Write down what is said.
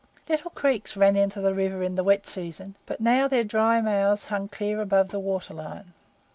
Little creeks ran into the river in the wet season, but now their dry mouths hung clear above water line.